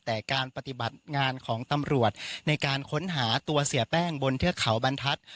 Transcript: แต่การปฏิบัติงานของตำรวจในการค้นหาตัวเสียแป้งบนเทือกเขาบรรทัศน์